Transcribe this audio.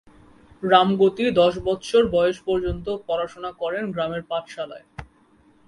রামগতি দশ বৎসর বয়স পর্যন্ত পড়াশোনা করেন গ্রামের পাঠশালায়।